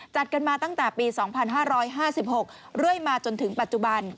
จัดกันมาตั้งแต่ปี๒๕๕๖เรื่อยมาจนถึงปัจจุบัน